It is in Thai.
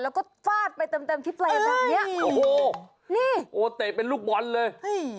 แล้วก็ฟาดไปเต็มที่เปล่าแบบนี้โอ้โหนี่เตะเป็นลูกบอลเลย